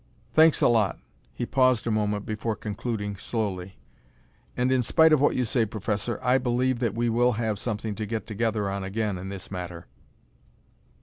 "Thanks a lot." He paused a moment before concluding slowly: "And in spite of what you say, Professor, I believe that we will have something to get together on again in this matter."